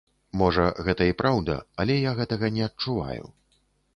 Можа, гэта і праўда, але я гэтага не адчуваю.